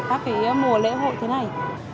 các cái mùa lễ hội thế này